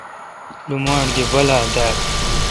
لوماٹ گی بالہ دال